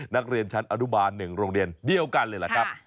นักเรียนชั้นอนุบาล๑โรงเรียนเดียวกันเลยล่ะครับ